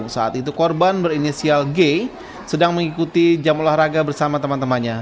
saat itu korban berinisial g sedang mengikuti jam olahraga bersama teman temannya